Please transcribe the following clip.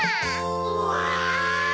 うわ！